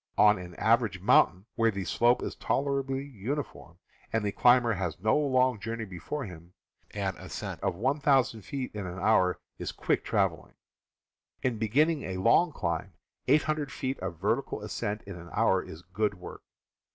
On an average mountain, where the slope is tolerably uni form, and the climber has no long journey before him, an ascent of 1,000 ft. in an hour is quick walking. In beginning a long climb, 800 ft. of vertical ascent in an hour is good work.